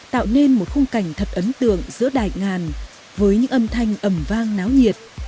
tạo nên một khung cảnh thật ấn tượng giữa đài ngàn với những âm thanh ẩm vang náo nhiệt